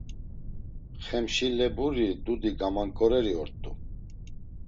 Xemşileburi dudi gamank̆oreri ort̆u.